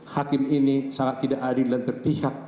hakim ini sangat tidak adil dan berpihak